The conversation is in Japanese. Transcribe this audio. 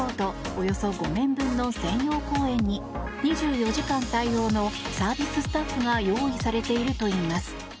およそ５面分の専用公園に２４時間対応のサービススタッフが用意されているといいます。